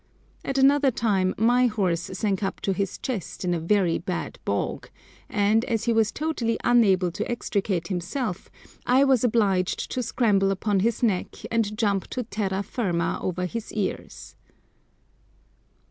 At another time my horse sank up to his chest in a very bad bog, and, as he was totally unable to extricate himself, I was obliged to scramble upon his neck and jump to terra firma over his ears.